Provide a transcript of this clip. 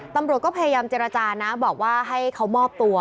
ตำรวจก็พยายามเจรจานะบอกว่าให้เขามอบตัว